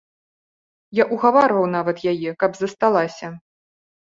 Я ўгаварваў нават яе, каб засталася.